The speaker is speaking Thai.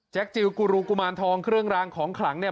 จิลกูรูกุมารทองเครื่องรางของขลังเนี่ย